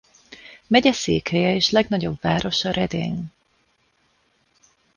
Megyeszékhelye és legnagyobb városa Reading.